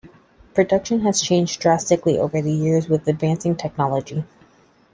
Production has changed drastically over the years with advancing technology.